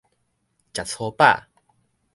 食粗飽